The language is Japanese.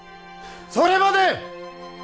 それまで！